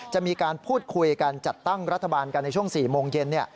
จะมีการพูดคุยกันจัดตั้งรัฐบาลกันในช่วง๔โมงเย็น